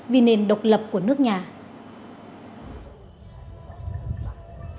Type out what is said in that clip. vì nền độc lập của nước nhà